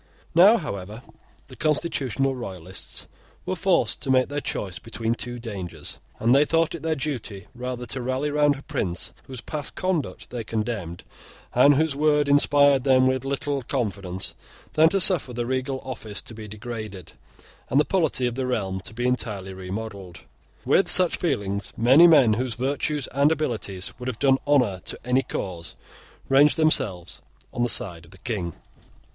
Now, however, the constitutional Royalists were forced to make their choice between two dangers; and they thought it their duty rather to rally round a prince whose past conduct they condemned, and whose word inspired them with little confidence, than to suffer the regal office to be degraded, and the polity of the realm to be entirely remodelled. With such feelings, many men whose virtues and abilities would have done honour to any cause, ranged themselves on the side of the King.